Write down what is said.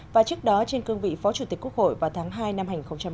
và trước đó trên cương vị phó chủ tịch quốc hội vào tháng hai năm hai nghìn một mươi chín